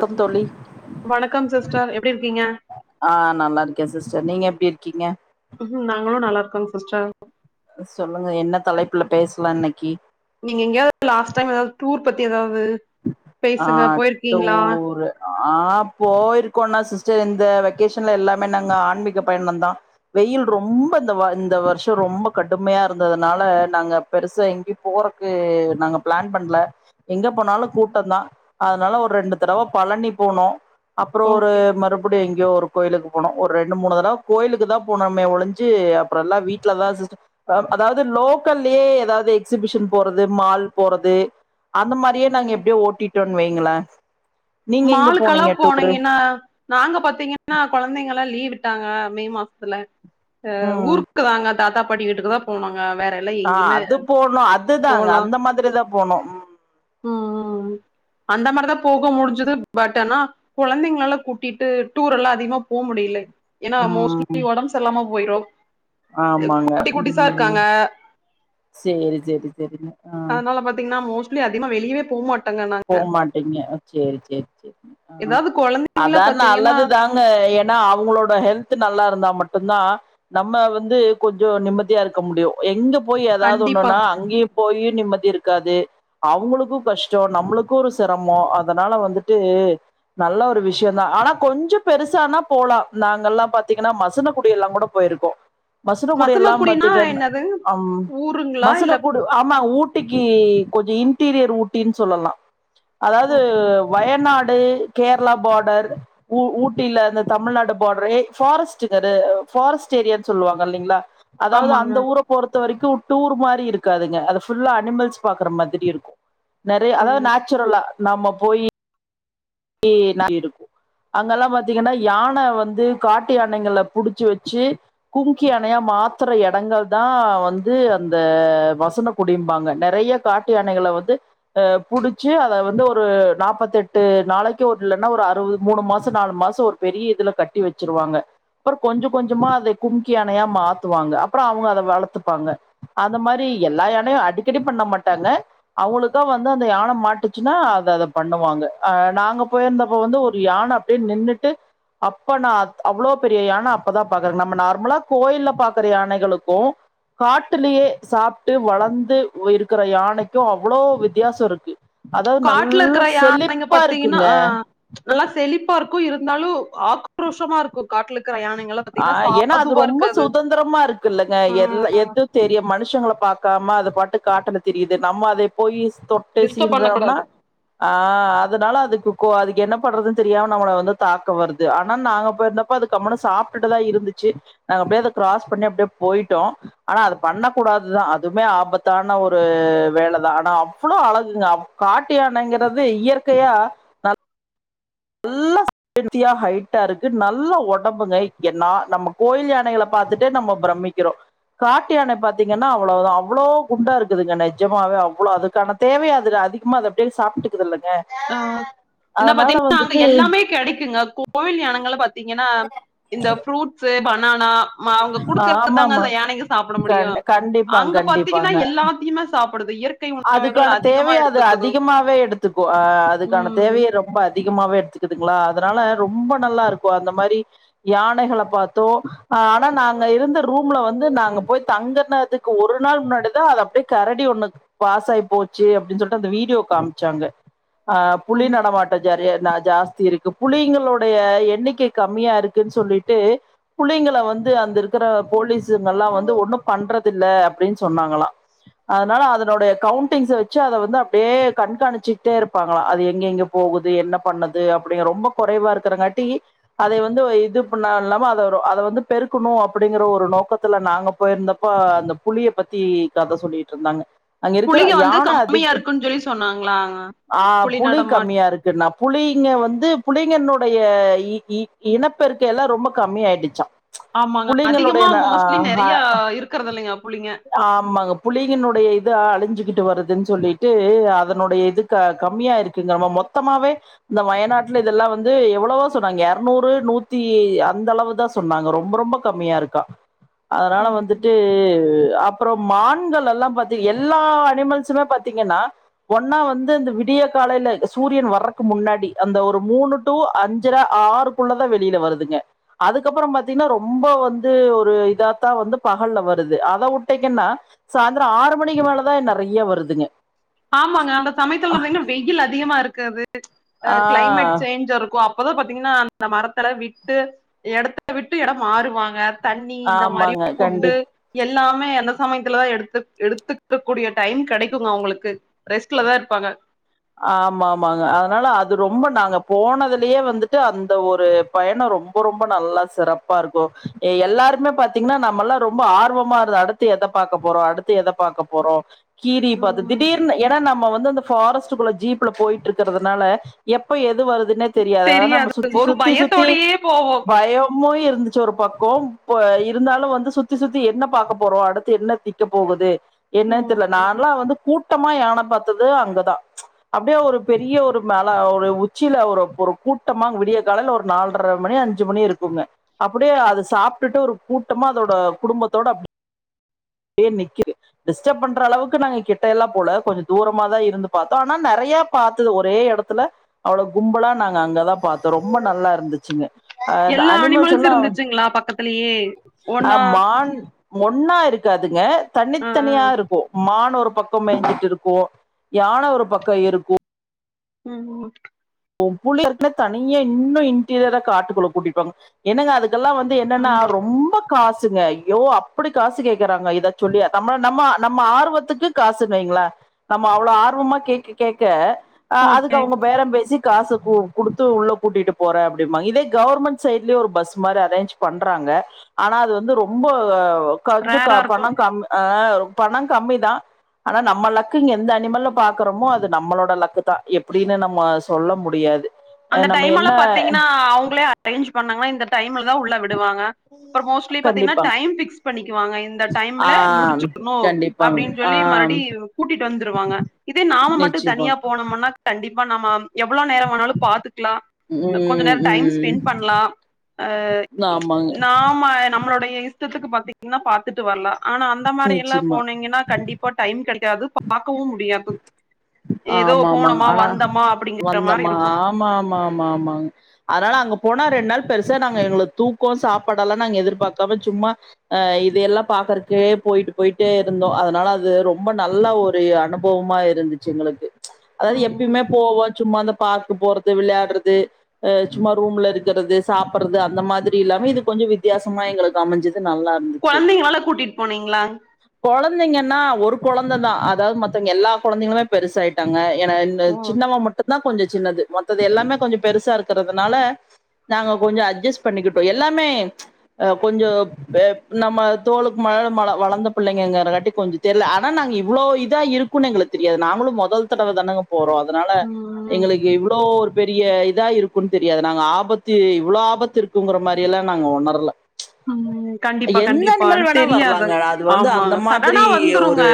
தொம் தோழி வணக்கம் சிஸ்டர் எப்டி இருக்கீங்க ஆ நல்லாருக்கே சிஸ்டர் நீங்க எப்டி இருக்கீங்க ம் நாங்களா நல்லாருக்கோ சிஸ்டர் சொல்லுங்க என்ன தலைப்புல பேசலா இன்னக்கி நீங்க எங்கயாவது லாஸ்ட் டைம் எதாவது டூர் பத்தி எதாவது ஆ பேசுங்க போய்ருக்கீங்ளா டூரு ஆ போய்ருகோனா சிஸ்டர் இந்த வெக்கேஷன்ல எல்லாமே நாங்க ஆன்மீக பயண தா வெயில் ரொம்ப இந்த இந்த வருஷ ரொம்ப கடுமையா இருந்ததுனால நாங்க பெருசா எங்கயு போறக்கு நாங்க பிளான் பண்ல எங்க போனாலு கூட்ட தா அதனால ஒரு ரெண்டு தடவ பழனி போனோ அப்ற ஒரு ஓகே மறு அப்டி எங்கயோ ஒரு கோயிலுக்கு போனோ ஒரு ரெண்டு மூணு தடவ கோயிலுக்கு தா போனோமே ஒழிஞ்சு அப்றல்லா வீட்ல தா சிஸ்ட அதாவது லோக்கல்லயே எதாவது எக்ஸிபிஷன் போறது மால் போறது அந்த மாரியே நாங்க ம் எப்டியோ ஓட்டிட்டோன் வைங்களே நீங்க எங்க மாலுக்கலா போனீங்க டூரு போனீங்கனா நாங்க பாத்தீங்கனா கொழந்தைங்கலா லீவ் விட்டாங்க மே மாசத்துல அ ம் ஊருக் க்குதாங்க தாத்தா பாட்டி வீட்டுக்கு தா போனுங்க வேற எல்லா ஆ எங்கேயுமே அது போனோ அது தாங்க போலா அந்த மாரி தா போனோ ம் ம் அந்த மாரிதா போக முடிஞ் சுது பட் ஆனா கொழந்தைங்கலலா கூட்டிட்டு டூர் எல்லா அதிகமா போ முடில ஏனா ம் ம் மோஸ்ட்லி ஒடம்பு சரில்லாம போய்ரு ஆமாங்க குட்டி குட்டிசா ம் இருக்காங்க சேரி சேரி செரிங்க அதனால பாத்தீங்கனா மோஸ்ட்லி அதிகமா வெளியவே போ மாட் போமாட்டீங்க செரி செரி செரி ஆ ஏதாவது கொழந்தைங்கள அதா பாத்தீங்கன்னா நல்லதுதா ஏன்னா அவங்களோட ஹெல்த் நல்லா இருந்தா மட்டு தா நம்ம வந்து கொஞ்சோ நிம்மதியா இருக்க முடியு எங்க போய் எதாவது கண்டிப்பா ஒன்னுனா அங்கயு போய் நிம்மதி இருக்காது அவங்களுக்கு கஷ்டோ நம்மளுக்கு ஒரு செரமோ அதனால வந்துட்டு நல்ல ஒரு விஷயோதா ஆனா கொஞ்சோ பெருச ஆனா போலா நாங்கலா பாத்தீங்கனா மசன குடி எல்லா கூட போயிருக்கோ மசனகுடி எல்லா மசனக்குடினா பாத்திங்கன என்னது ஊருங்களா மசன இல்ல குடு ஆமா ஊட்டிக்கு கொஞ்சோ இன்டீரியர் ஊட்டினு சொல்லலா அதாவது வயநாடு கேர்ளா பார்டர் ஊ ஊட்டில அந்த தமிழ்நாடு பார்ட்ரே ஃபாரஸ்டுங்கரு ஃபாரஸ்ட் ஏரியானு சொல்லுவாங்க இல்லைங்ளா அதாவது ஆமாங்க அந்த ஊர பொறுத்த வரைக்கு டூர் மாரி இருக்காதுங்க அது ஃபுல்லா அனிமல்ஸ் பாக்குற மாதிரி இருக்கு நெறைய ஓ. அதாவது நேச்சுரல்லா நம்ம போய் [inaudible] இருக்கு அங்கெல்லா பாத்தீங்கனா யான வந்து காட்டு யானைங்கள புடிச்சு வச்சு கும்கி யானையா மாத்தற இடங்கள் தா வந்து அந்த மசனக் குடின்பாங்க நெறைய காட்டு யானைகள வந்து அ புடிச்சி அத வந்து ஒரு நாப்பத்தெட்டு நாளைக்கு ஒரு இல்லன்னா ஒரு அறுபது மூணு மாசோ நாலு மாசோ ஒரு பெரிய இதுல கட்டி வச்சிருவாங்க அப்புறோ கொஞ்ச கொஞ்சமா அத கும்கி யானையா மாத்துவாங்க அப்புறோ அவுங்க அத வளர்த்துப்பாங்க அத மாரி எல்லா யானையு அடிக்கடி பண்ண மாட்டாங்க அவுங்களுக்கா வந்து அந்த யான மாட்டுச்சுன்னா அத அத பண்ணுவாங்க அ நாங்க போயிருந்தப்ப வந்து ஒரு யான அப்டே நின்னுட்டு அப்ப நா அத் அவ்ளோ பெரிய யான அப்பதா பாக்குறங் நம்ம நார்மலா கோயில பாக்குற யானைகளுக்கு காட்டுலியே சாப்ட்டு வளர்ந்து இருக்கிற யானைக்கு அவ்ளோ வித்தியாசோ இருக்கு அதாவது நல்ல செலிப் பாத்தீங்கனா ஆ நல்லா செழிப்பா இருக்கு இருந்தாலு ஆக்ரோஷமா இருக்கு காட்லுக்குர யானைங்க ஆ ஏனா அது ரொம்ப சுதந்தரமா இருக்கு இல்லங்க ஆ எல்லா எது தெரியு மனுஷங்கள பாக்காம அத பாட்டு காட்டுல திரியுது நம்ம அதை போயி தொட்டு டிஸ்டர்ப் பண்ண சீன்றம்னா கூடாது ஆ அதனால அதுக்கு கோ அதுக்கு என்ன பண்றதுன் தெரியாம நம்மள வந்து தாக்க வருது ஆனா நாங்க போயிருந்த ப்போ அது கம்முனு சாப்டுட்டுதா இருந்துச்சு நாங்க அப்டியே அத கிராஸ் பண்ணி அப்டியே போயிட்டோ ஆனா அது பண்ணகூடாதுதா அதுமே ஆபத் தான ஒரு வேல தா ஆனா அவ்ளோ அழகுங்க காட்டு யானைங்கிறது இயற்கையா நல்ல [inaudible] ஹெல்தியா ஹைட்டா இருக்கு நல்ல உடம்புங்க என்னா நம்ம கோயில் யானைகள பாத்துட்டு நம்ப பிரம்மிக்கிறோ காட்டு யான பாத்தீங்கனா அவ்ளோதா அவ்ளோ குண்டா இருக்குதுங்க நெஜமாவே அவ்ளோ அதுக்கான தேவயாதுல அதிகமா அது அப்டியே சாப்ட்டுக்குது இல்லங்க ஆ என்ன அதனால பாத்தீங்னா அங்க வந்துட்டு எல்லாமே கெடைக்குங்க கோவில் யானங்கள பாத் தீங்கனா இந்த ஃப்ரூட்ஸ்சு பனானா அவுங்க குடுக்கற தாங்க ஆமாமா அந்த யானைங்க சாப்புட முடியு கண் கண்டிப்பாங் அங்க பாத்தீங்கன்னா கண்டிப்பாங்க. எல்லாத்தையுமே சாப்புடுது இயற்க அதுக்கான தேவைய அது அதிகமாவே எடுத்துக்கோ அதுக்கான ம் தேவைய ரொம்ப அதிகமாவே எடுத்துக்குதுங்ளா அதனால ரொம்ப நல்லா இருக்கு அந்த மாரி யானைகள பாத்தோ ஆனா நாங்க இருந்த ரூம்ல வந்து நாங்க போய் தங்கனதுக் கு ஒரு நாள் முன்னாடிதா அது அப்டியே கரடி ஒண்ணு பாஸ் ஆயி போச்சு அப்டின் சொல்ட்டு அந்த வீடியோ காம்சாங்க அ புலி ம் நடமாட் [unintelligible] ஜாஸ்தி இருக்கு புலிங்களோடைய எண்ணிக்கை கம்மியா இருக்குன் சொல்லிட்டு புலிங்கள வந்து அந்த இருக்கிற போலீசுங்க எல்லா வந்து ஒண்ணு பண்றது இல்ல அப்டின் சொன்னாங்ளா அதனால அதனோடைய கவுண்டிங்ஸ் அ வெச்சு அத வந்து அப்டியே கண்காணிச்சிட்டே இருப்பாங்களா அது எங்க எங்க போகுது என்ன பண்ணுது அப்படிங்க ரொம்ப குறைவா இருக்கறங்காட்டி அதை வந்து இது பண்ண இல்லாம அத அத வந்து பெருக்கணு அப்படிங்கற ஒரு நோக்கத்துல நாங்க போயிருந்தப்ப அந்த புலிய பத்தி கத சொல்லிட்ருந்தாங்க இருக்கற புளிய வந்து யான அதி கம்மியா இருக்குன்னு சொல்லி சொன்னாங்களாங்க ஆ புளி புலி கம்மி நடமாட் யா இருக்குன்னா புளிங்க வந்து புலிங்கனுடைய இ இ இனப்பெருக் க எல்லா ரொம்ப கம்மியாயிடுச்சா ஆமாங்க அதிகமா மோஸ்ட்லி நெறையா இருக்கறதில்லைங்க புலிங்க ஆமாங்க புலிங்கனுடைய இது அழிஞ்சுகிட்டு வருதுன் சொல்லிட்டு அதனுடைய இது க கம்மியா இருக்குங்காமா மொத்தமாவே இந்த வயநாட்ல இதுல்லா வந்து எவ்வளவோ சொன்னாங்க எரநூறு நூத்தி அந்த அளவுதா சொன்னாங்க ரொம்ப ரொம்ப கம்மியா இருக்கா அதனால வந்துட்டு அப்பற மான்கள் எல்லா பாத்து எல்லா அனிமல்ஸுமே பாத்திங்கன்னா ஒன்னா வந்து இந்த விடிய காலையில சூரியன் வர்றக்கு முன்னாடி அந்த ஒரு மூணு டூ அஞ்சர ஆறு க்குள்ளதா வெளியில வருதுங்க அதுக்கப்பற பாத்தினா ரொம்ப வந்து ஒரு இதாத்தா வந்து பகல்ல வருது அத உட் டைங்கன்னா சாந்தர ஆறு மணிக்கு மேலதா நெறைய வருதுங்க ஆமாங்க அந்த சமயத்துல பாத்திங்னா வெய்யில் அதிகமா இருக்காது அ ஆ கிளைமேட் சேஞ்ச் இருக்கு அப்போதா பாத்திங்னா அந்த மரத்துல விட்டு எடத்த விட்டு எட மாறுவாங்க தண்ணி இந்த மாரி ஆமாங்க கண்டிப்பா ஃபுட்டு எல்லாமே அந்த சமயத்துலதா எடுத்து எடுத்துக்க கூடிய டைம் கெடைக்குங்க அவங்களுக்கு ரெஸ்ட்லதா இருப்பாங்க ஆமாமாங்க அதனால அது ரொம்ப நாங்க போனதுலயே வந்துட்டு அந்த ஒரு பயண ரொம்ப ரொம்ப நல்லா சிறப்பா இருக்கு எல்லாருமே பாத்திங்னா நம்ம எல்லா ரொம்ப ஆர்வமா இரு அடுத் த்து எத பாக்க போறோ அடுத்து எத பாக்க போறோ கீரிய பாத்து ம் திடீர்னு ஏனா நம்ம வந்து அந்த ஃபாரஸ்ட் குள்ள ஜீப்ல போயிட்டு இருக்கிறதுனால எப்ப எது வருதுனே தெரியாது அத நாம சுத்தி ஒரு சுத்தி சுத்தி பயத்தோடயே போவோ பய மு இருந்துச்சு ஒரு பக்க இ இருந்தாலு வந்து சுத்தி சுத்தி என்ன பாக்க போறோ அடுத்து என்ன நிக்க போகுது என்னன் ம் தெர்ல நான்லா வந்து கூட்டமா யான பாத்தது அங்கதா அப்டியே ஒரு பெரிய ஒரு மெல ஒரு உச்சியில ஒரு ஒரு கூட்டமா விடிய காலைல ஒரு நால்ர மணி அஞ்சு மணி இருக்குங்க அப்படியே அது சாப்ட்டுட்டு ஒரு கூட்டமா அதோட குடும்பத்தோட அப் டியே நிக்குது டிஸ்டர்ப் பண்ற அளவுக்கு நாங்க கிட்டயெல்லா போல கொஞ்ச தூரமாதா இருந்து பாத்தோ ஆனா நெறையா பாத்தது ஒரே எடத்துல அவ்ள கும்பலா நாங்க அங்கதா பாத்தோ ரொம்ப நல்லா இருந்துச்சுங்க அ எல்லா அனிமல்ஸ் எல்லாம் இருந்துச்சுங்களா பக்கத்துலயே ஆ ஒன்னா மான் ஒன்னா இருக்காதுங்க ஆ தனித்தனியா இருக்கு மான் ஒரு பக்க மேஞ்சிட்டு இருக்கு யான ஒரு பக்க இருக்கு ம் புலி வந்து தனியா இன்னு இன்டீரியரா காட்டுக்குள்ள கூட்டிப்பாங்க என்னங்க அதுக்கெல்லா வந் து என்னன்னா ஆமா ரொம்ப காசுங்க ஐயோ அப்படி காசு கேக்கறாங்க இத சொல்லி நம்மள நம்ம நம்ம ஆர்வத்துக்கு காசுன் வைங்களே நம்ம அவ்வள ஆர்வமா கேக்க கேக்க அதுக்கு ஓகே அவங்க பேரம் பேசி காசு கு குடுத்து உள்ள கூட்டிட்டு போறே அப்டிம்பாங்க இதே கவர்மெண்ட் சைட்லயு ஒரு பஸ் மாரி அரேஞ்ச் பண்றாங்க ஆனா அது வந்து ரொம்ப கொஞ்ச க ரேரா இருக்கு பண கம் ஆ பண கம்மிதா ஆனா நம்ம லக்குங்க எந்த அனிமல்ல பாக்கறமோ அது நம்மளோட லக்குதா எப்படின்னு நம்ம சொல்ல முடியாது அ அந்த நம்ம டைமெல்லா என்ன பாத்தீங்கன்னா அவங்களே அரேஞ்ச் பண்ணாங்களா இந்த டைம்ல தான் உள்ள விட வாங்க அபறம் மோஸ்ட்லி பாத்தீங்கன்னா கண்டிப்பாங் டைம் ஃபிக்ஸ் பண்ணிக்குவாங்க இந்த ஆ டைம்ல முடிச்சற்ணும் கண்டிப்பாங் அப்படின்னு ஆ சொல்லி மறுபடி கூட்டிட்டு வந்துருவாங்க இதே நாம மட்டும் தனியா நிச்சயமாங் போனம்ன்னா கண்டிப்பா நாம எவ்ளோ நேரம் வேணாலும் பாத்துக்கலாம் கொஞ்ச ம் நேரம் டைம் ம் ஸ்பெண்ட் பண்ணலாம் அ ஆமாங்க நாம நம்மளோடைய இது த்துக்கு பாத்தீங்கன்னா பாத்துட்டு வரல ஆனா அந்த மாதிரிலல்ல நிச்சயமா போனீங்கன்னா கண்டிப்பா இப்ப டைம் கிடையாது பாக்கவும் முடியாது எதோ ஆமா ஆமாங்க போனமா வந்தமா அப்படிங்கற மாதிரி இருக்கும் ஆமாமாமாங்க அதனால அங்க போனா ரெண்டு நாள் பெருசா நாங்க எங்களுக்கு தூக்கம் சாப்பாடெல்லாம் நாங்க எதிர்பாக்காம சும்மா ‌அ இத எல்லாம் பாக்குறதுக்கே போயிட்டு போயிட்டு இருந்தோம் அதனால அது ரொம்ப நல்ல ஒரு அனுபவமா இருந்துச்சு எங்களுக்கு அதாவது ம் எப்பயுமே போவோ சும்மா அந்த பார்க் போறது இந்த விளையாடுறது ஹ் சும்மா ரூம்ல இருக்கிறது சாப்பிடுறது அந்த மாதிரி இல்லாம இது கொஞ்சம் வித்தியாசமா எங்களுக்கு அமைஞ்சது நல்லா இருந்தது குழந்தைங்களலா கூட்டிட்டு போனீங்களா குழந்தைங்கன்னா ஒரு குழந்தை தான் அதாவது மத்தவங்க எல்லா குழந்தைங்களுமே பெருசாயிட்டாங்க ஏன ஓ சின்னவா மட்டுந்தான் கொஞ்சம் சின்னது மத்தது எல்லாமே கொஞ்சம் பெருசா இருக்கறதுனால நாங்க கொஞ்சம் அட்ஜஸ் பண்ணிக்கிட்டோம் எல்லாமே அ கொஞ்சம் நம்ம தோலுக்கு மேல வளந்த பிள்ளைங்கிற காட்டி கொஞ்சம் தெரியல ஆனா நாங்க இவ்ளோ இதா இரு க்குனு எங்களுக்கு தெரியாது நாங்களும் முதல் தடவை தானங்க போறோம் அதனால ம் எங்களுக்கு இவ்ளோ ஒரு பெரிய இதா இருக்கு இருக்கு னன்னு தெரியாது நாங்க ஆபத்து இவ்ளோவு ஆபத்து இருக்குங்கிற மாதிரி எல்லாம் நாங்க உணரல ம் கண்டிப்பா எந்த கண்டிப்பா அனிமல் எனக்கு வேணா தெரியாது வரலாங்க அது வந்து ஆமா அந்த மாதிரி சடனா வந்துருங்க ஒரு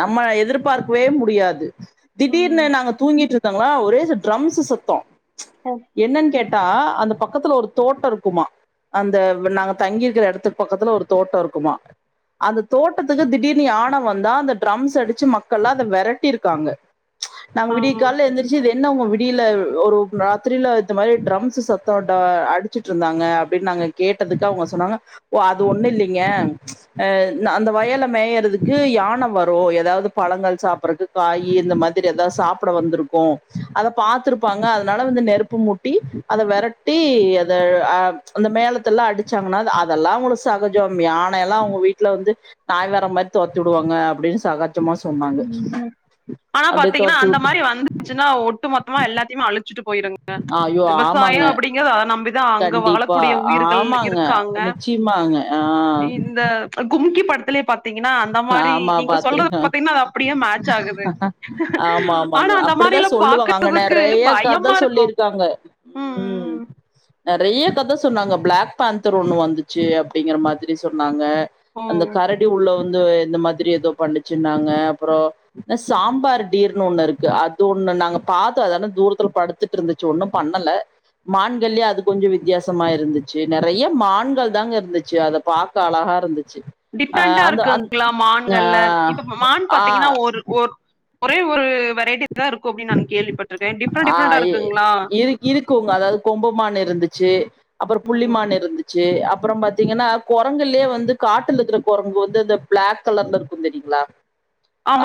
நம்ம எதிர்பார்க்கவே முடியாது திடீர்னு ம் நாங்க தூங்கிட்டு இருந்தாங்களா ஒரே ட்ரம்ஸ் சத்தம் அ என்னன்னு கேட்டா அந்த பக்கத்துல ஒரு தோட்டம் இருக்குமா அந்த நாங்க தங்கிருகுக்கிற இடத்துக்கு பக்கத்துல ஒரு தோட்டம் இருக்குமா அந்த தோட்டத்துக்கு திடீர்னு யானை வந்தா அந்த ட்ரம்ஸ் அடிச்சு மக்க கள்லா அதை விரட்டிருக்காங்க நாங்க ஆ விடிய கால்ல எந்திரிச்சு என்ன உங்க விடில ஒரு ராத்திரில இந்த மாதிரி ட்ரம்ஸ் சத்தம் அடிச்சிட்டு இருந்தாங்க அப்படின்னு நாங்க கேட்டதுக்கு அவங்க சொன்னாங்க ஓ அது ஒண்ணும் இல்லைங்க அ அந்த வயல்ல மேயறதுக்கு யானை வரும் எதாவது பழங்கள் சாப்பிடறதுக்கு காய் இந்த மாதிரி ஏதாவது சாப்பிட வந்திருக்கும் அத பாத்திருப்பாங்க அதனால நெருப்பு ப்பு மூட்டி அதை விரட்டி அத அ அந்த மேளதெல்லாம் அடிச்சாங்கன்னா அதெல்லாம் உங்களுக்கு சகஜம் ம் யானைல்லாம் அவங்க வீட்டுல வந்து நாய்வற மாதிரி தெறத்தி விடுவாங்க அப்படின்னு சகஜமா சொன்னாங்க ம் ஆனா அப்டியே பாத்தீங்கன்னா தொரத்தி அந்த விட்டு மாதிரி வந்து வந்துச்னா ஒட்டு மொத்தமா எல்லாத்தயு அழிச்சிட்டு போயிடுங்க ஐயோ விவசாய ஆமாங்க அப்டிங்கறத அத நம்பி தா அங்க கண்டிப்பா வாழக்கூடிய உயிர்கள் ஆமாங்க இருக்காங்க நிச்சயமாங்க ஆ இந்த கும்கி படத்துலி பாத்தீங்கன்னா அந்த மாறி ஆமா நீங்க சொல்றது பாத்துருக்கே பா அப்படியே மேட்ச் ஆகுது ஆமா ஆனா ஆமாங்க அந்த அப்டிதா மாதிரில பாக்றதுக்கு பயமா இருக்கும் க்காங்க ம் நிறைய கதை சொன்னாங்க பிளாக் பேந்தர் ஒண்ணு வந்துச்சு அப்படிங்கிற மாதிரி சொன்னாங்க ஓ அந்த கரடி உள்ள வந்து இந்த மாதிரி எதோ பண்ணுச்சுன்னாங்க அப்பறோ இந்த சாம்பார் டீர்னு ஒன்னு இருக்கு அது ஒன்னு நாங்க பாத்தோ அது ஆனா தூரத்துல படு டுத்துட்டு இருந்துச்சு ஒன்னு பண்ணல மான்கள்லெயே அது கொஞ்சொ வித்யாசமா இருந்துச்சு நறையா மான்கள் தாங்க இருந்துச்சு அத பா க்க அழகா இருந்துச்சு ஆ டிஃப்ரண்ட்டா அந்த அந் இருக்குகளா ஆ மான்கள்ல இப்ப மான் ஆ பாத்தீங்கன்னா ஒரு ஒரு ஒரே ஒரு வரைட்டி ன் நானு கேள்வி பட்ருக்கே டிஃப்ரண் ஆ டிஃப்ரண்ட்டா இ இருக்குங்ளா இரு இருக்குங்க அதாவ்து கொம்பு மான் இருந்துச்சு அப்பறொ புள்ளி ம் மான் இருந்தி ச்சு அப்பொறொ பாத்தீங்கன்னா கொரங்குலயே வந்து காட்டுல இக்குற கொரங்கு வந்து இந்த ப்ளாக் கலர்ல இருக்குந்தெரியுங்ளா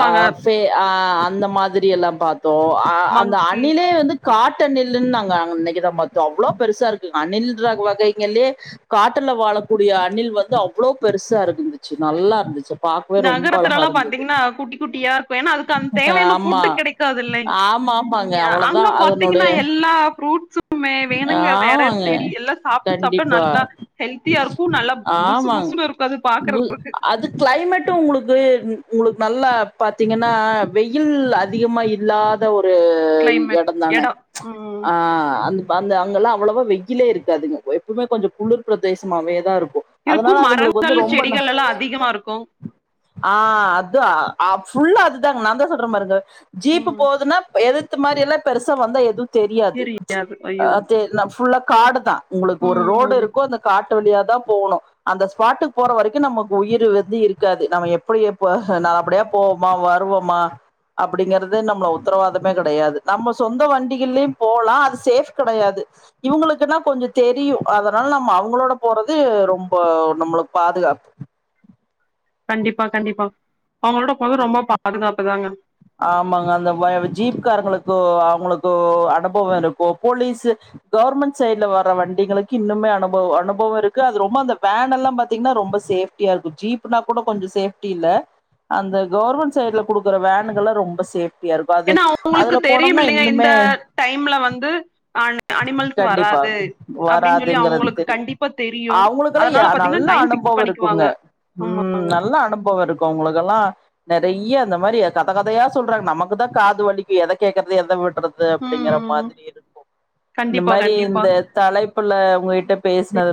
ஆ ஃபே அ அந்த மாதிரி எல்லாம் பாத்தோ அ அந்த மங்கி அணில்லே வந்து காட்டு அணில்ன்னாங்க அன்னெக்கிதா பாத்தோ அவ்ளோ பெருசா இருக்கு அணில்ராங் வகைங்கள்லயே காட்டுல வாழக்கூடிய அணில் வந்து அவ்ளோ பெருசா இருக்குந்துச்சு நல்லா இருந்துச்சு பார்க்கவே ரொம்ப நகரத்துல அழகா எல்லா இருந்தது. பாத்தீங்கன்னா குட்டி குட்டியா இருக்கு எனா அதுக்கு அந்த தேவயான ஆமா. ஃபுட்டு கெட க்காது இல்லெங் ஆமா, ஆமாங்க. ஏ அங்க அவ்வளதான் பாத்தீங்கன்னா அதனுடைய எல்லா ஃப்ரூட்ஸு மே வேணுங்கறெ இர ஆமாங்க. தெடி எல்லா சாப்ட்டு சாப்ட்டு கண்டிப்பா. நல்லா ஹெல்த்தியா இருக்கு நல்லா புசு புசுன்னு இரு அது பாக்கறவங்களுக்கு க்ளைமேட்டு உங்களுக்கு உங்களுக்கு நல்லா பாத்தீங்கன்னா வெயில் அதிகமா இல்லா த ஒரு கிளைமேட் எடந்தான எடோ ம் ஆ அந் அந்த அங்கெல்லா அவ்ளவா வெய்யிலே இருக்காதுங்க எப்புமே கொஞ்சோ குளிர் பிரதேசமாவே தா இருக்கு அதனா இருக்கு அதுங்களுக்கு மரங்கள் வந்து ரொம்ப ந செடிகள் எல்லா அதிகமா இருக்கு ஆ அது அ ஃபுல்லா அதுதாங்க நாந்தா சொல்ற பாருங்க ஜீப்பு ம் போதுன்னா பெ எதித்த மாரி எல்லா பெருசா வந்தா எதும் தெரியாது அ தே ஃபுல்லா காடுதா உங்களுக்கு ஒரு ரோடு ம் இருக்கு அந்த காட்டு வழியாதா போணு அந்த ஸ்பாட்டுக்கு போற வரக்கு நமக்கு உயிரு வந்து இருக்காது நம்ம எப்புடியப்பொ அ நா அப்டே போவ்மா வருவொமா அப்டிங்கெறது நம்மள உத்தரவாதமே கெடயாது நம்ம சொந்த வண்டிகள்லியு போலா அது சேஃப் கெடயாது இவுங்களுக்குன்னா கொஞ்சோ தெரியு அதனால நம்ம அவுங்களோட போறதூ ரொம்போ நம்மளுக்கு பாதுகாப்பு கண்டிப்பா கண்டிப்பா அவுங்களோட போறது ரொம்ப பாதுகாப்பு தாங்க ஆமாங்க அந்த வ ஜீப்காரங்களுக்கோ அவுங்களுக்கோ அனுபவோ இருக்கு போலீஸு கவர்மண்ட் சைட்ல வர்ற வண்டிகளுக்கி இன்னுமே அனுபவோ அனுபவோ இருக்கு அது ரொம்ப அந்த வேனெல்லா பாத்தீங்ன்னா ரொம்ப சேஃப் ட்டியா இருக்கு ஜீப்னா கூட கொஞ்சோ சேஃப்டி இல்ல அந்த கவர்மண்ட் சைட்ல குடுக்குற வேன் ன்னுங்க எல்லா ரொம்ப சேஃப்டியா இருக்கு அது ஏன்னா அவங்களுக்கு அதுல தெரியும் போனொம்ன்னா இல்லைங்க இந்த இன்னுமே டைம்ல வந்து அன் அனிமல்ஸ் கண்டிப்பா வராது அப்டின்னு சொல்லி வராதுங்கறது அவுங்களுக்கு தெரியு கண்டிப்பா தெரியு அதனால பாத்தீங்கன்னா டைம் ஃபிக்ஸ் பண்ணிக் குங்க ம் நல்லா அனுபவோ இருக்கு உங்களுக்கெல்லா நெறையா அந்த மாரி கதகதயா சொல்றாங் நமக்குதா காது வலிக்கி எத கேக்கறது எத உட்ற து அப்டிங்கற ம் மாதிரி இருக்கு இந்த கண்டிப்பா மாரி கண்டிப்பா இந்த தலைப்புல உங்ககிட்ட பேசுனது